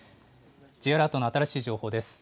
Ｊアラートの新しい情報です。